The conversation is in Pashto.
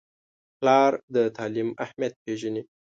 پلار د تعلیم اهمیت پیژني.